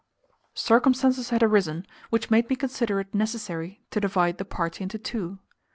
Circumstances had arisen which made me consider it necessary to divide the party into two.